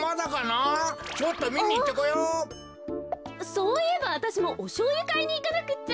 そういえばわたしもおしょうゆかいにいかなくちゃ。